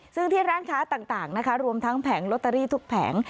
ซึ่งที่ร้านค้าต่างนะคะรวมทั้งแผงลอตเตอรี่ทุกแผง